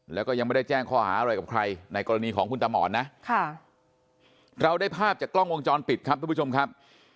แล้วก็ยังไม่ได้แจ้งข้อหาอะไรกับใครในกรณีของคุณตามอนนะเราได้ภาพจากกล้องวงจรปิดครับทุกผู้ชมครับ